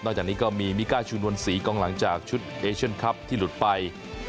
จากนี้ก็มีมิก้าชูนวลศรีกองหลังจากชุดเอเชียนคลับที่หลุดไป